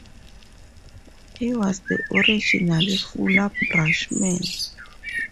He was the original Fuller Brush Man.